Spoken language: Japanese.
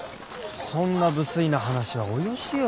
そんな無粋な話はおよしよ。